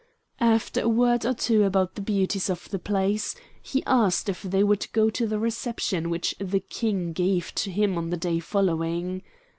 After a word or two about the beauties of the place, he asked if they would go to the reception which the King gave to him on the day following.